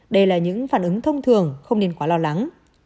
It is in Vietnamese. đây là những phản ứng thông thường không nên quá lo lắng